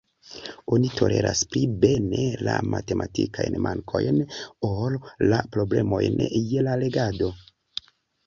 Oni toleras pli bene la matematikajn mankojn, ol la problemojn je la legado.